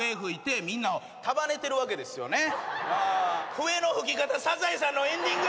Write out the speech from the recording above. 笛の吹き方『サザエさん』のエンディング。